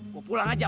gua pulang aja